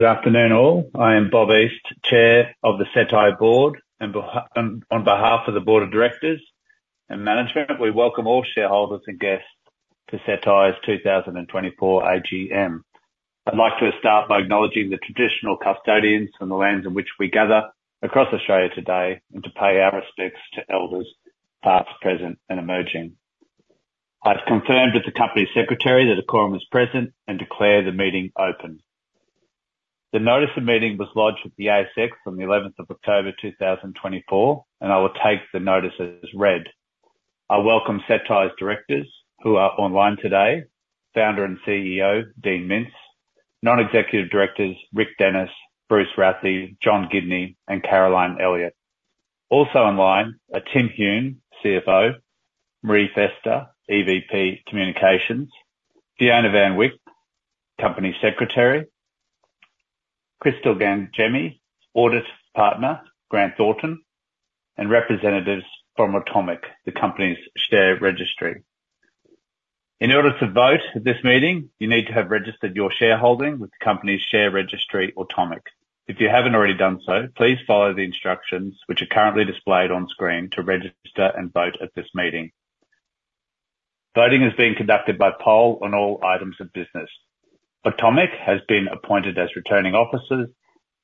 Good afternoon all. I am Bob East, Chair of the Cettire Board, and on behalf of the Board of Directors and Management, we welcome all shareholders and guests to Cettire's 2024 AGM. I'd like to start by acknowledging the traditional custodians and the lands in which we gather across Australia today, and to pay our respects to Elders past, present, and emerging. I've confirmed with the Company Secretary that the Quorum is present and declare the meeting open. The Notice of Meeting was lodged at the ASX on the 11th of October 2024, and I will take the notice as read. I welcome Cettire's Directors, who are online today: Founder and CEO Dean Mintz, Non-Executive Directors Rick Dennis, Bruce Rathie, John Gibney, and Caroline Elliott. Also online are Tim Hume, CFO, Marie Festa, EVP Communications, Fiona van Wyk, Company Secretary, Crystal Gangemi, Audit Partner, Grant Thornton, and representatives from Automic, the Company's share registry. In order to vote at this meeting, you need to have registered your shareholding with the Company's share registry, Automic. If you haven't already done so, please follow the instructions which are currently displayed on screen to register and vote at this meeting. Voting is being conducted by poll on all items of business. Automic has been appointed as Returning officer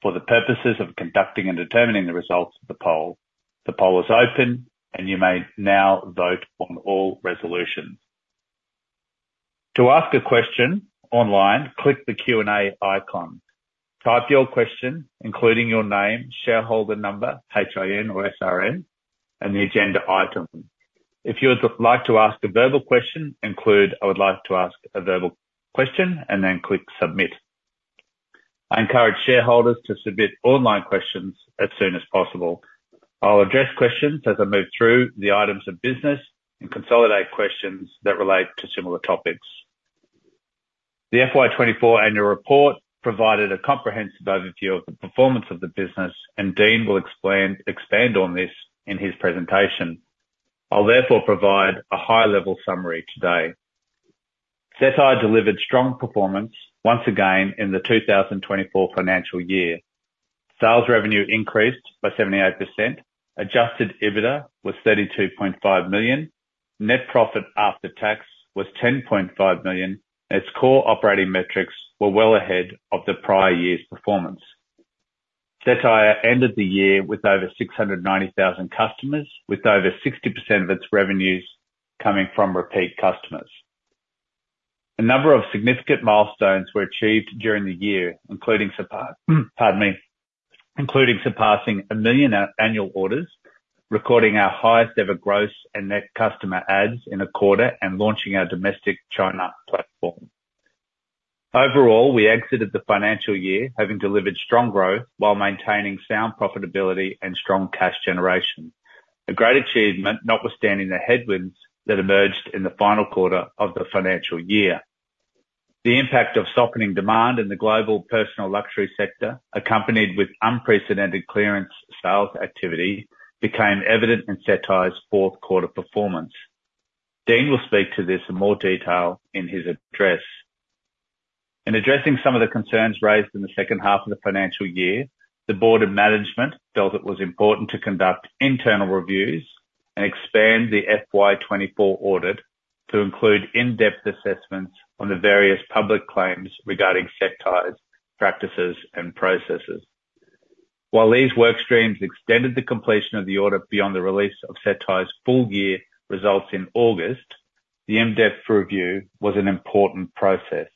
for the purposes of conducting and determining the results of the poll. The poll is open, and you may now vote on all resolutions. To ask a question online, click the Q&A icon. Type your question, including your name, shareholder number, HIN or SRN, and the agenda item. If you would like to ask a verbal question, include "I would like to ask a verbal question," and then click Submit. I encourage shareholders to submit online questions as soon as possible. I'll address questions as I move through the items of business and consolidate questions that relate to similar topics. The FY 2024 Annual Report provided a comprehensive overview of the performance of the business, and Dean will expand on this in his presentation. I'll therefore provide a high-level summary today. Cettire delivered strong performance once again in the 2024 financial year. Sales revenue increased by 78%, Adjusted EBITDA was 32.5 million, Net Profit After Tax was 10.5 million, and its core operating metrics were well ahead of the prior year's performance. Cettire ended the year with over 690,000 customers, with over 60% of its revenues coming from repeat customers. A number of significant milestones were achieved during the year, including surpassing a million annual orders, recording our highest-ever gross and net customer adds in a quarter, and launching our domestic China platform. Overall, we exited the financial year having delivered strong growth while maintaining sound profitability and strong cash generation, a great achievement notwithstanding the headwinds that emerged in the final quarter of the financial year. The impact of softening demand in the global personal luxury sector, accompanied with unprecedented clearance sales activity, became evident in Cettire's fourth quarter performance. Dean will speak to this in more detail in his address. In addressing some of the concerns raised in the second half of the financial year, the Board of Management felt it was important to conduct internal reviews and expand the FY24 audit to include in-depth assessments on the various public claims regarding Cettire's practices and processes. While these workstreams extended the completion of the audit beyond the release of Cettire's full-year results in August, the in-depth review was an important process.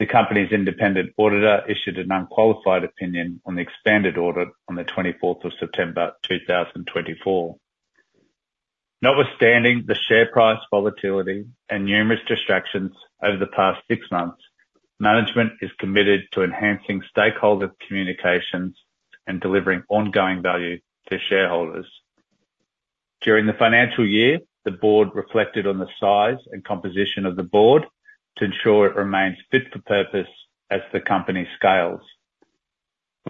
The Company's independent auditor issued an unqualified opinion on the expanded audit on the 24th of September 2024. Notwithstanding the share price volatility and numerous distractions over the past six months, management is committed to enhancing stakeholder communications and delivering ongoing value to shareholders. During the financial year, the Board reflected on the size and composition of the Board to ensure it remains fit for purpose as the Company scales.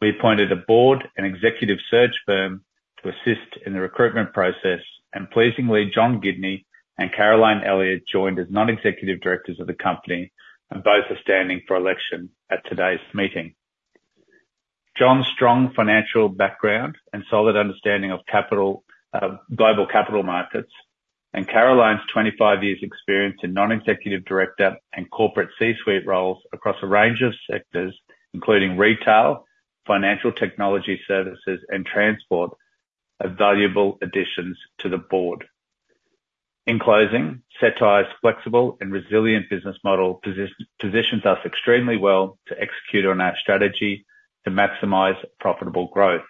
We appointed a Board and Executive Search firm to assist in the recruitment process, and pleasingly, John Gibney and Caroline Elliott joined as Non-Executive Directors of the Company, and both are standing for election at today's meeting. John's strong financial background and solid understanding of global capital markets, and Caroline's 25 years' experience in Non-Executive Director and corporate C-suite roles across a range of sectors, including retail, financial technology services, and transport, are valuable additions to the Board. In closing, Cettire's flexible and resilient business model positions us extremely well to execute on our strategy to maximize profitable growth.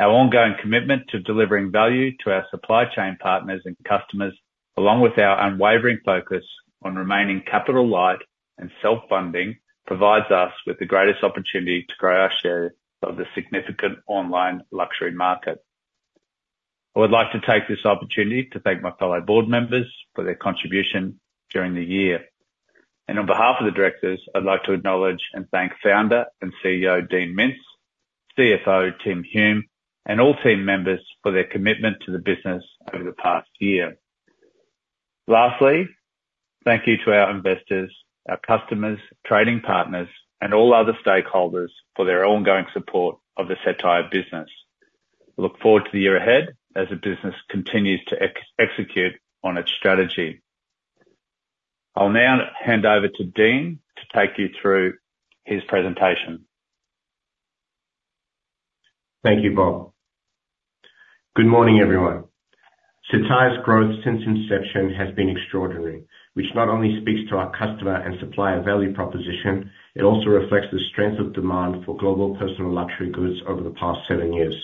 Our ongoing commitment to delivering value to our supply chain partners and customers, along with our unwavering focus on remaining capital-light and self-funding, provides us with the greatest opportunity to grow our share of the significant online luxury market. I would like to take this opportunity to thank my fellow Board members for their contribution during the year. And on behalf of the Directors, I'd like to acknowledge and thank Founder and CEO Dean Mintz, CFO Tim Hume, and all team members for their commitment to the business over the past year. Lastly, thank you to our investors, our customers, trading partners, and all other stakeholders for their ongoing support of the Cettire business. I look forward to the year ahead as the business continues to execute on its strategy. I'll now hand over to Dean to take you through his presentation. Thank you, Bob. Good morning, everyone. Cettire's growth since inception has been extraordinary, which not only speaks to our customer and supplier value proposition, it also reflects the strength of demand for global personal luxury goods over the past seven years.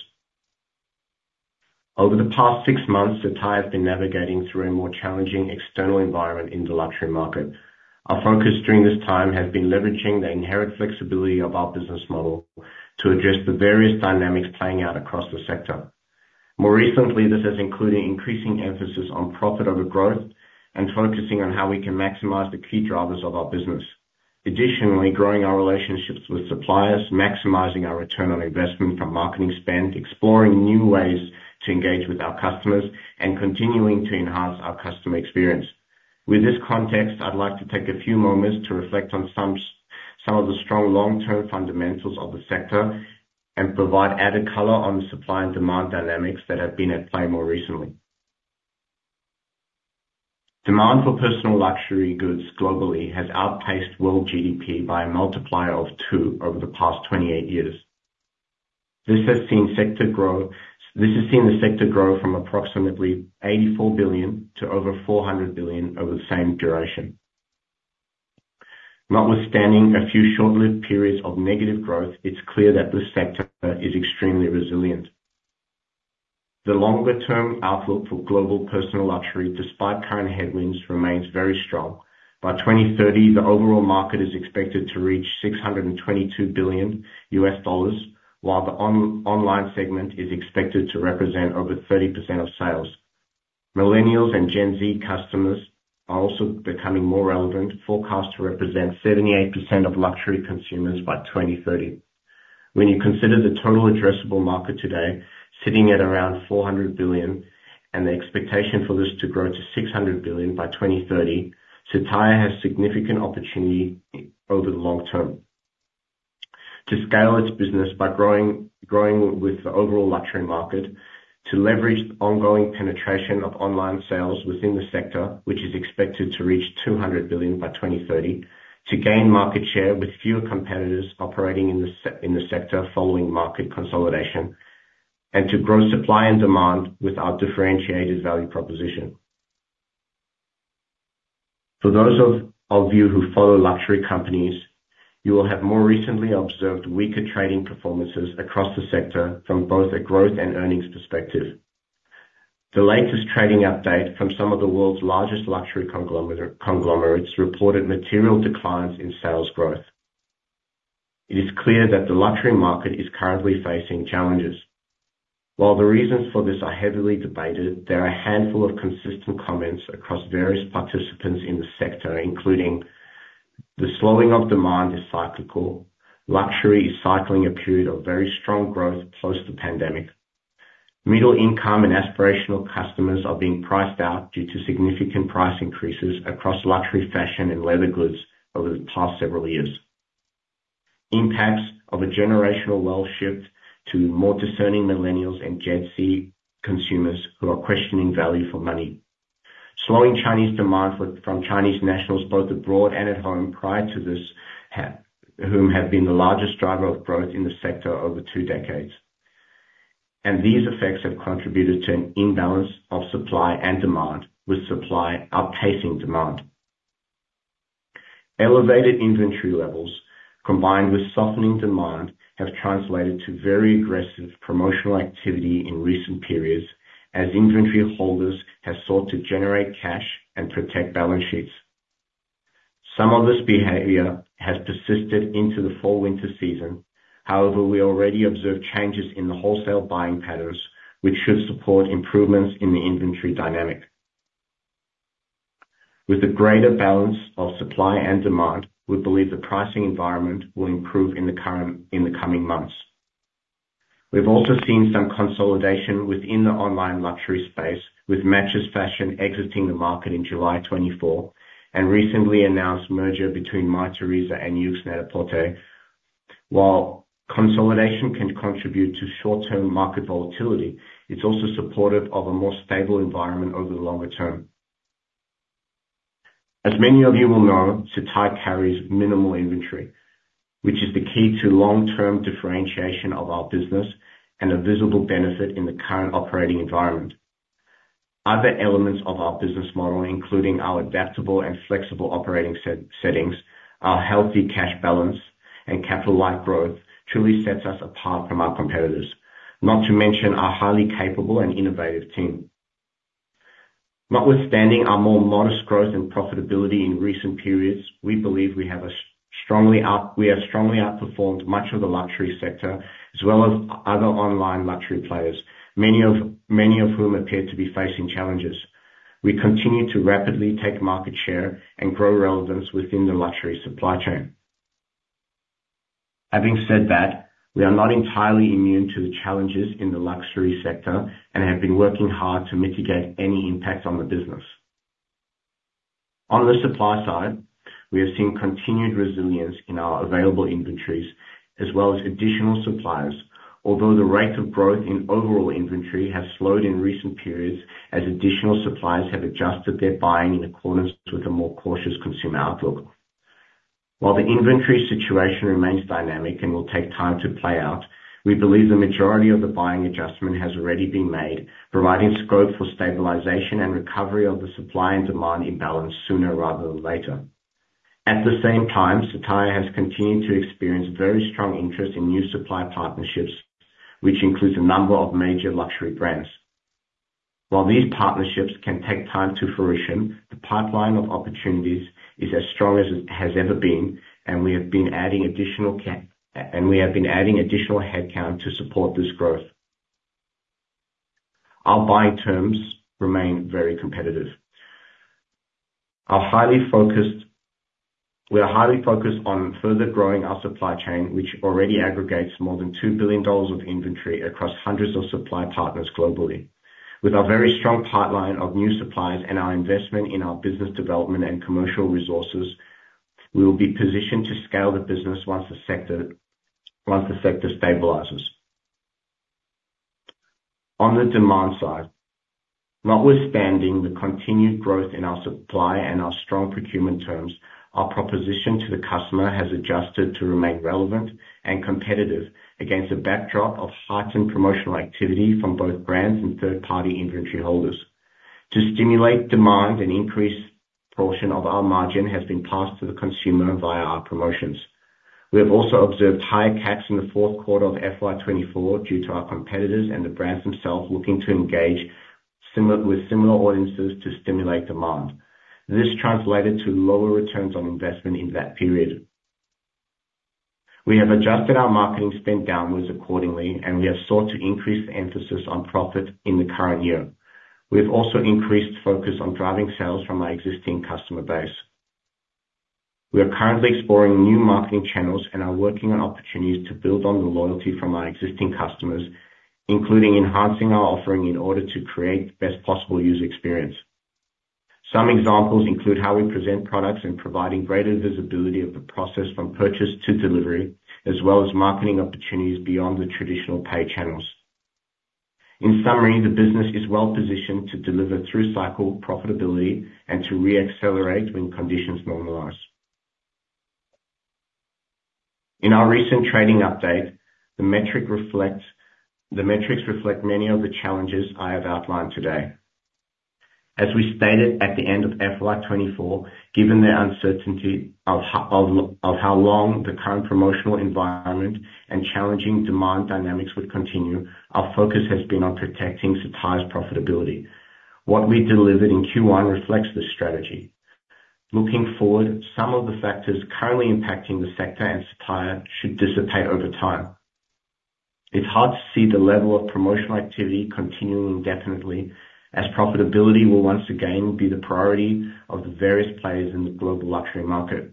Over the past six months, Cettire has been navigating through a more challenging external environment in the luxury market. Our focus during this time has been leveraging the inherent flexibility of our business model to address the various dynamics playing out across the sector. More recently, this has included increasing emphasis on profit over growth and focusing on how we can maximize the key drivers of our business. Additionally, growing our relationships with suppliers, maximizing our return on investment from marketing spend, exploring new ways to engage with our customers, and continuing to enhance our customer experience. With this context, I'd like to take a few moments to reflect on some of the strong long-term fundamentals of the sector and provide added color on the supply and demand dynamics that have been at play more recently. Demand for personal luxury goods globally has outpaced world GDP by a multiplier of two over the past 28 years. This has seen the sector grow from approximately $84 billion to over $400 billion over the same duration. Notwithstanding a few short-lived periods of negative growth, it's clear that this sector is extremely resilient. The longer-term outlook for global personal luxury, despite current headwinds, remains very strong. By 2030, the overall market is expected to reach $622 billion, while the online segment is expected to represent over 30% of sales. Millennials and Gen Z customers are also becoming more relevant, forecast to represent 78% of luxury consumers by 2030. When you consider the Total Addressable Market today sitting at around 400 billion and the expectation for this to grow to 600 billion by 2030, Cettire has significant opportunity over the long term to scale its business by growing with the overall luxury market, to leverage ongoing penetration of online sales within the sector, which is expected to reach 200 billion by 2030, to gain market share with fewer competitors operating in the sector following market consolidation, and to grow supply and demand with our differentiated value proposition. For those of you who follow luxury companies, you will have more recently observed weaker trading performances across the sector from both a growth and earnings perspective. The latest trading update from some of the world's largest luxury conglomerates reported material declines in sales growth. It is clear that the luxury market is currently facing challenges. While the reasons for this are heavily debated, there are a handful of consistent comments across various participants in the sector, including the slowing of demand is cyclical, luxury is cycling a period of very strong growth post the pandemic, middle-income and aspirational customers are being priced out due to significant price increases across luxury fashion and leather goods over the past several years, impacts of a generational wealth shift to more discerning millennials and Gen Z consumers who are questioning value for money, slowing Chinese demand from Chinese nationals both abroad and at home prior to this, who have been the largest driver of growth in the sector over two decades, and these effects have contributed to an imbalance of supply and demand, with supply outpacing demand. Elevated inventory levels, combined with softening demand, have translated to very aggressive promotional activity in recent periods as inventory holders have sought to generate cash and protect balance sheets. Some of this behavior has persisted into the fall-winter season. However, we already observe changes in the wholesale buying patterns, which should support improvements in the inventory dynamic. With a greater balance of supply and demand, we believe the pricing environment will improve in the coming months. We've also seen some consolidation within the online luxury space, with MatchesFashion exiting the market in July 2024 and recently announced a merger between Mytheresa and YOOX Net-a-Porter. While consolidation can contribute to short-term market volatility, it's also supportive of a more stable environment over the longer term. As many of you will know, Cettire carries minimal inventory, which is the key to long-term differentiation of our business and a visible benefit in the current operating environment. Other elements of our business model, including our adaptable and flexible operating settings, our healthy cash balance, and capital-light growth, truly set us apart from our competitors, not to mention our highly capable and innovative team. Notwithstanding our more modest growth and profitability in recent periods, we believe we have strongly outperformed much of the luxury sector as well as other online luxury players, many of whom appear to be facing challenges. We continue to rapidly take market share and grow relevance within the luxury supply chain. Having said that, we are not entirely immune to the challenges in the luxury sector and have been working hard to mitigate any impact on the business. On the supply side, we have seen continued resilience in our available inventories as well as additional suppliers, although the rate of growth in overall inventory has slowed in recent periods as additional suppliers have adjusted their buying in accordance with a more cautious consumer outlook. While the inventory situation remains dynamic and will take time to play out, we believe the majority of the buying adjustment has already been made, providing scope for stabilization and recovery of the supply and demand imbalance sooner rather than later. At the same time, Cettire has continued to experience very strong interest in new supply partnerships, which includes a number of major luxury brands. While these partnerships can take time to fruition, the pipeline of opportunities is as strong as it has ever been, and we have been adding additional headcount to support this growth. Our buying terms remain very competitive. We are highly focused on further growing our supply chain, which already aggregates more than $2 billion of inventory across hundreds of supply partners globally. With our very strong pipeline of new suppliers and our investment in our business development and commercial resources, we will be positioned to scale the business once the sector stabilizes. On the demand side, notwithstanding the continued growth in our supply and our strong procurement terms, our proposition to the customer has adjusted to remain relevant and competitive against a backdrop of heightened promotional activity from both brands and third-party inventory holders. To stimulate demand, an increased portion of our margin has been passed to the consumer via our promotions. We have also observed higher caps in the fourth quarter of FY24 due to our competitors and the brands themselves looking to engage with similar audiences to stimulate demand. This translated to lower returns on investment in that period. We have adjusted our marketing spend downwards accordingly, and we have sought to increase the emphasis on profit in the current year. We have also increased focus on driving sales from our existing customer base. We are currently exploring new marketing channels and are working on opportunities to build on the loyalty from our existing customers, including enhancing our offering in order to create the best possible user experience. Some examples include how we present products and providing greater visibility of the process from purchase to delivery, as well as marketing opportunities beyond the traditional pay channels. In summary, the business is well positioned to deliver through cycle profitability and to re-accelerate when conditions normalize. In our recent trading update, the metrics reflect many of the challenges I have outlined today. As we stated at the end of FY24, given the uncertainty of how long the current promotional environment and challenging demand dynamics would continue, our focus has been on protecting Cettire's profitability. What we delivered in Q1 reflects this strategy. Looking forward, some of the factors currently impacting the sector and Cettire should dissipate over time. It's hard to see the level of promotional activity continuing indefinitely as profitability will once again be the priority of the various players in the global luxury market.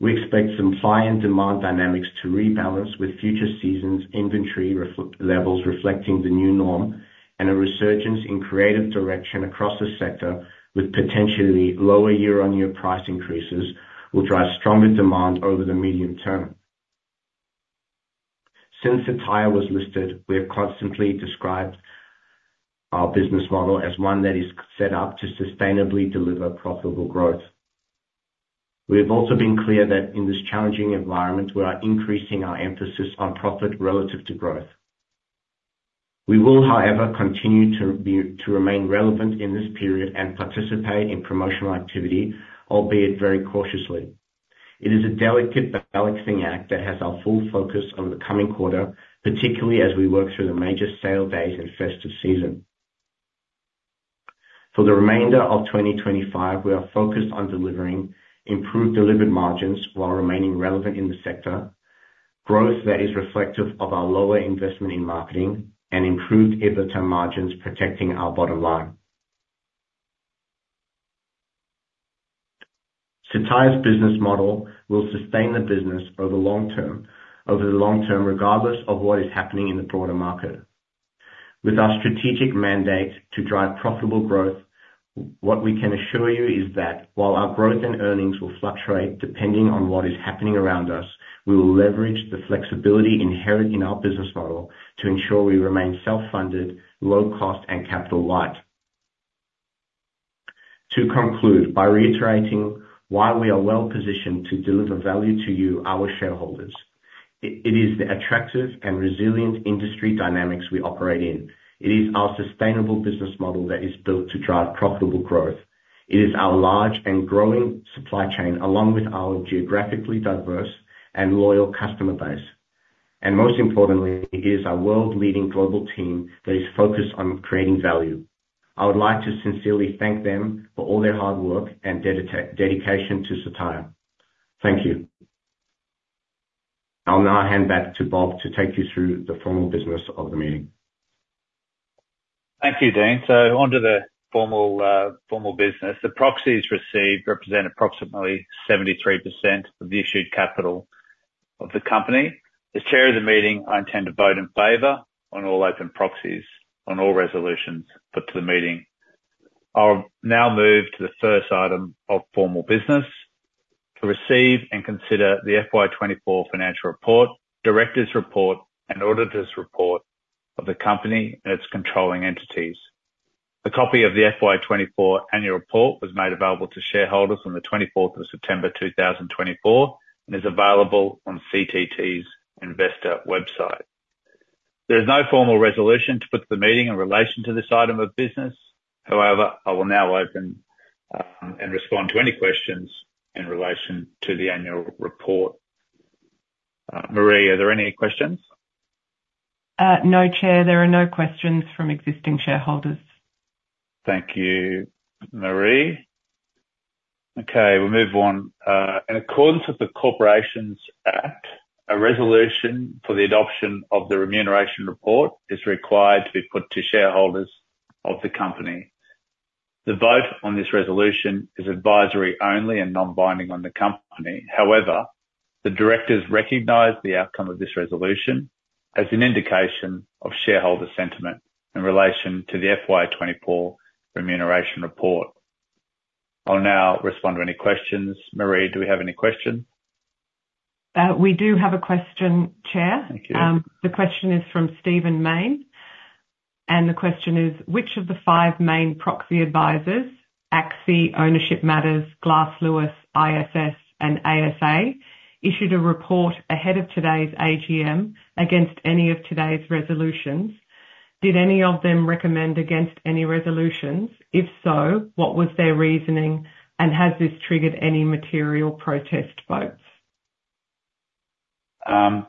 We expect supply and demand dynamics to rebalance with future seasons, inventory levels reflecting the new norm, and a resurgence in creative direction across the sector with potentially lower year-on-year price increases will drive stronger demand over the medium term. Since Cettire was listed, we have constantly described our business model as one that is set up to sustainably deliver profitable growth. We have also been clear that in this challenging environment, we are increasing our emphasis on profit relative to growth. We will, however, continue to remain relevant in this period and participate in promotional activity, albeit very cautiously. It is a delicate balancing act that has our full focus over the coming quarter, particularly as we work through the major sale days and festive season. For the remainder of 2025, we are focused on delivering improved delivered margins while remaining relevant in the sector, growth that is reflective of our lower investment in marketing, and improved long-term margins protecting our bottom line. Cettire's business model will sustain the business over the long term, regardless of what is happening in the broader market. With our strategic mandate to drive profitable growth, what we can assure you is that while our growth and earnings will fluctuate depending on what is happening around us, we will leverage the flexibility inherent in our business model to ensure we remain self-funded, low-cost, and capital-light. To conclude, by reiterating why we are well positioned to deliver value to you, our shareholders, it is the attractive and resilient industry dynamics we operate in. It is our sustainable business model that is built to drive profitable growth. It is our large and growing supply chain, along with our geographically diverse and loyal customer base. And most importantly, it is our world-leading global team that is focused on creating value. I would like to sincerely thank them for all their hard work and dedication to Cettire. Thank you. I'll now hand back to Bob to take you through the formal business of the meeting. Thank you, Dean. So on to the formal business. The proxies received represent approximately 73% of the issued capital of the company. As chair of the meeting, I intend to vote in favor on all open proxies, on all resolutions put to the meeting. I'll now move to the first item of formal business to receive and consider the FY24 Financial Report, Directors' Report, and Auditor's Report of the company and its controlling entities. A copy of the FY24 Annual Report was made available to shareholders on the 24th of September 2024 and is available on CTT's investor website. There is no formal resolution to put to the meeting in relation to this item of business. However, I will now open and respond to any questions in relation to the Annual Report. Marie, are there any questions? No, Chair. There are no questions from existing shareholders. Thank you, Marie. Okay, we'll move on. In accordance with the Corporations Act, a resolution for the adoption of the Remuneration Report is required to be put to shareholders of the company. The vote on this resolution is advisory only and non-binding on the company. However, the directors recognize the outcome of this resolution as an indication of shareholder sentiment in relation to the FY24 Remuneration Report. I'll now respond to any questions. Marie, do we have any questions? We do have a question, Chair. Thank you. The question is from Stephen Mayne, and the question is, which of the five main proxy advisors, ACSI, Ownership Matters, Glass Lewis, ISS, and ASA, issued a report ahead of today's AGM against any of today's resolutions? Did any of them recommend against any resolutions? If so, what was their reasoning, and has this triggered any material protest votes?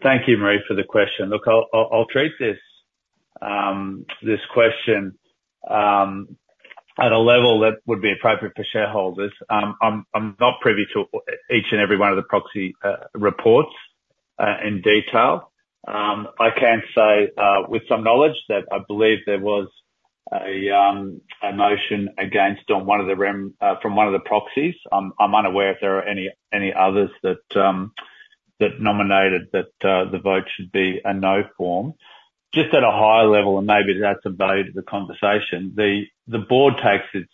Thank you, Marie, for the question. Look, I'll treat this question at a level that would be appropriate for shareholders. I'm not privy to each and every one of the proxy reports in detail. I can say with some knowledge that I believe there was a motion against on one of the proxies. I'm unaware if there are any others that nominated that the vote should be a no form. Just at a higher level, and maybe that's a value to the conversation, the board takes its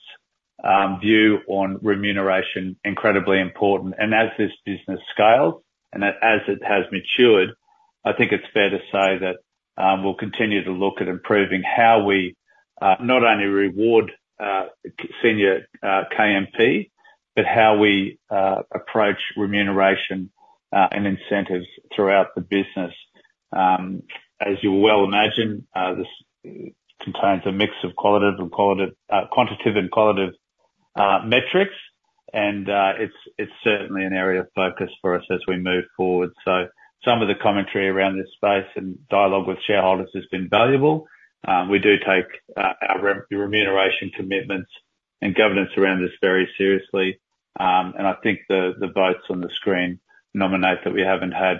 view on remuneration incredibly important, and as this business scales and as it has matured, I think it's fair to say that we'll continue to look at improving how we not only reward senior KMP, but how we approach remuneration and incentives throughout the business. As you will well imagine, this contains a mix of quantitative and qualitative metrics, and it's certainly an area of focus for us as we move forward, so some of the commentary around this space and dialogue with shareholders has been valuable. We do take our remuneration commitments and governance around this very seriously, and I think the votes on the screen nominate that we haven't had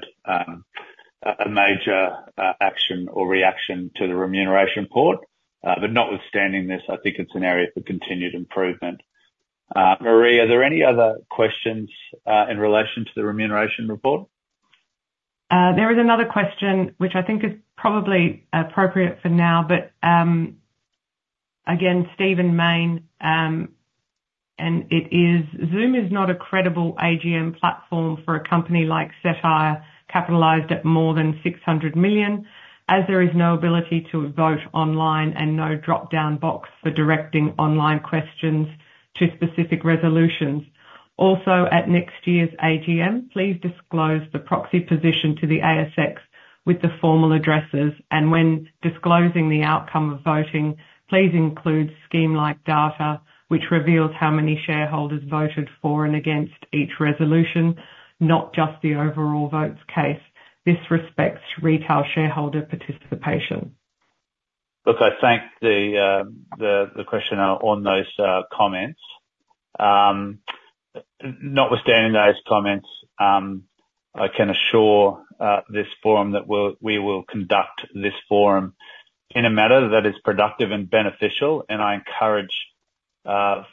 a major action or reaction to the Remuneration Report, but notwithstanding this, I think it's an area for continued improvement. Marie, are there any other questions in relation to the Remuneration Report? There is another question, which I think is probably appropriate for now, but again, Stephen Mayne. And it is, Zoom is not a credible AGM platform for a company like Cettire capitalized at more than 600 million, as there is no ability to vote online and no drop-down box for directing online questions to specific resolutions. Also, at next year's AGM, please disclose the proxy position to the ASX with the formal addresses. And when disclosing the outcome of voting, please include scheme-like data, which reveals how many shareholders voted for and against each resolution, not just the overall votes cast. This respects retail shareholder participation. Look, I thank the questioner on those comments. Notwithstanding those comments, I can assure this forum that we will conduct this forum in a manner that is productive and beneficial, and I encourage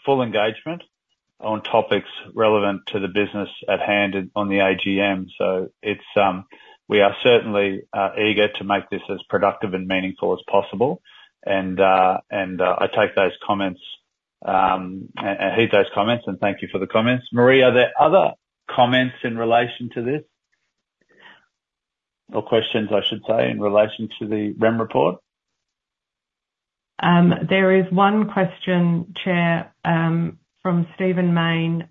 full engagement on topics relevant to the business at hand on the AGM, so we are certainly eager to make this as productive and meaningful as possible, and I take those comments and heed those comments, and thank you for the comments. Marie, are there other comments in relation to this? Or questions, I should say, in relation to the Remuneration Report? There is one question, Chair, from Stephen Mayne.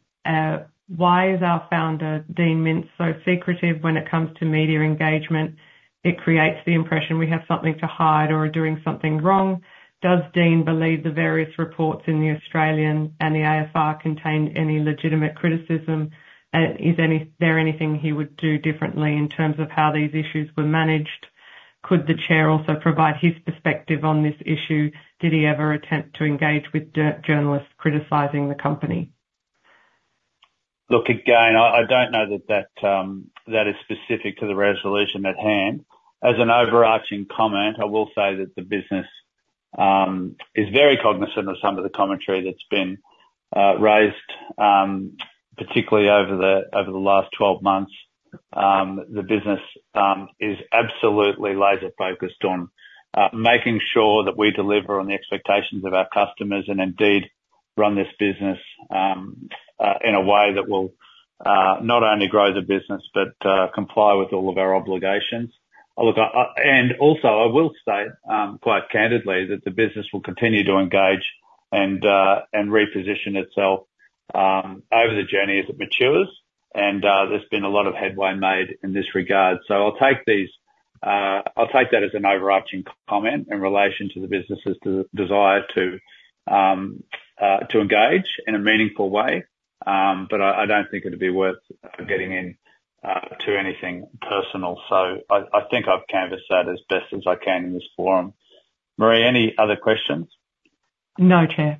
Why is our founder, Dean Mintz, so secretive when it comes to media engagement? It creates the impression we have something to hide or are doing something wrong. Does Dean believe the various reports in the Australian and the AFR contain any legitimate criticism? Is there anything he would do differently in terms of how these issues were managed? Could the Chair also provide his perspective on this issue? Did he ever attempt to engage with journalists criticizing the company? Look, again, I don't know that that is specific to the resolution at hand. As an overarching comment, I will say that the business is very cognizant of some of the commentary that's been raised, particularly over the last 12 months. The business is absolutely laser-focused on making sure that we deliver on the expectations of our customers and indeed run this business in a way that will not only grow the business, but comply with all of our obligations. And also, I will say quite candidly that the business will continue to engage and reposition itself over the journey as it matures. And there's been a lot of headway made in this regard. So I'll take that as an overarching comment in relation to the business's desire to engage in a meaningful way. But I don't think it'd be worth getting into anything personal. So I think I've canvassed that as best as I can in this forum. Marie, any other questions? No, Chair.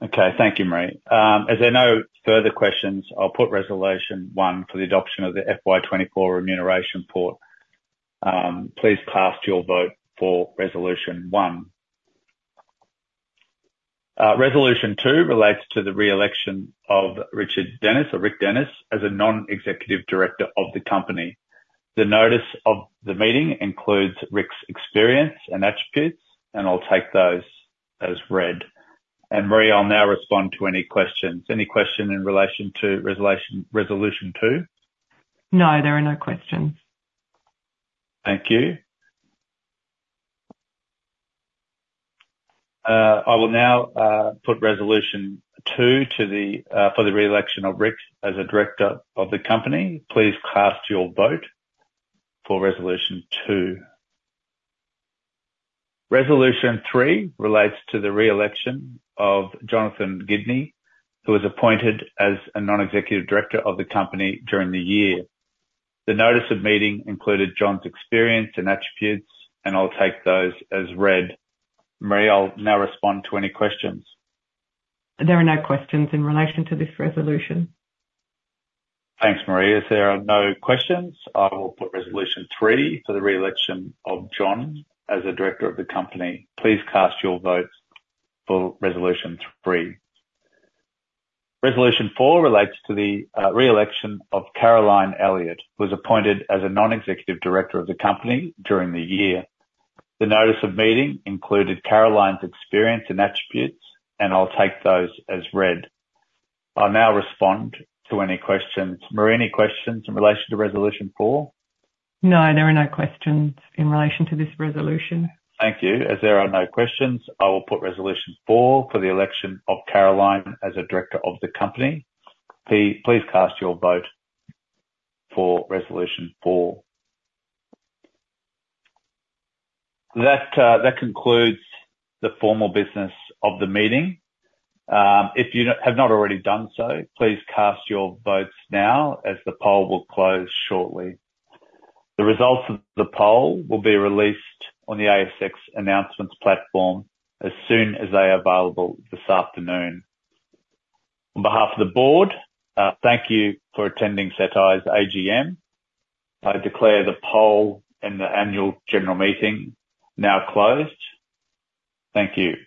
Okay, thank you, Marie. As there are no further questions, I'll put Resolution 1 for the adoption of the FY24 Remuneration Report. Please cast your vote for Resolution 1. Resolution 2 relates to the re-election of Richard Dennis or Rick Dennis as a non-executive director of the company. The notice of the meeting includes Rick's experience and attributes, and I'll take those as read. And Marie, I'll now respond to any questions. Any question in relation to Resolution 2? No, there are no questions. Thank you. I will now put Resolution 2 for the re-election of Rick as a director of the company. Please cast your vote for Resolution 2. Resolution 3 relates to the re-election of Jonathan Gibney, who was appointed as a non-executive director of the company during the year. The Notice of Meeting included John's experience and attributes, and I'll take those as read. Marie, I'll now respond to any questions. There are no questions in relation to this resolution. Thanks, Marie. If there are no questions, I will put Resolution 3 for the re-election of John as a director of the company. Please cast your vote for Resolution 3. Resolution 4 relates to the re-election of Caroline Elliott, who was appointed as a non-executive director of the company during the year. The Notice of Meeting included Caroline's experience and attributes, and I'll take those as read. I'll now respond to any questions. Marie, any questions in relation to Resolution 4? No, there are no questions in relation to this resolution. Thank you. As there are no questions, I will put Resolution 4 for the election of Caroline as a director of the company. Please cast your vote for Resolution 4. That concludes the formal business of the meeting. If you have not already done so, please cast your votes now as the poll will close shortly. The results of the poll will be released on the ASX announcements platform as soon as they are available this afternoon. On behalf of the board, thank you for attending Cettire's AGM. I declare the poll and the annual general meeting now closed. Thank you.